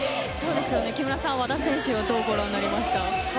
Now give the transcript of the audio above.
木村さん、和田選手はどうご覧になりました？